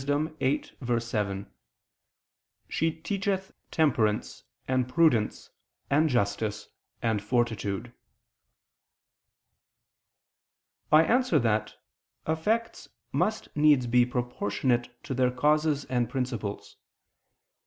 8:7): "She teacheth temperance and prudence and justice and fortitude." I answer that, Effects must needs be proportionate to their causes and principles.